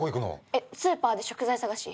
えっスーパーで食材探し。